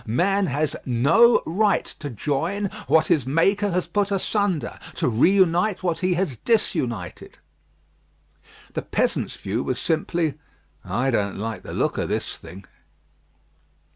Man has no right to join what his Maker has put asunder; to reunite what he has disunited. The peasants' view was simply, "I don't like the look of this thing."